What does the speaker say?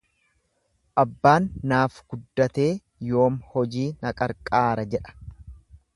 Abbaan naaf guddatee yoom hojii na qarqaara jedha.